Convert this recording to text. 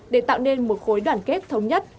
để tạo nên một khối đoàn kết thống nhất